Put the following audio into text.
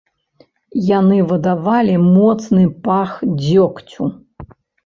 Яны выдавалі моцны пах дзёгцю.